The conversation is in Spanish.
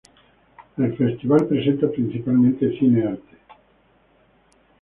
El festival presenta principalmente Cine arte.